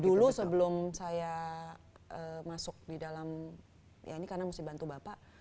dulu sebelum saya masuk di dalam ya ini karena mesti bantu bapak